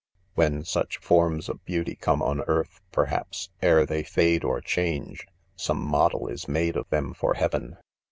, j ' 4 When suekfor na&of beauty come on earth, perhaps, ere they fade or change, some :model is made of them, for lie'aven.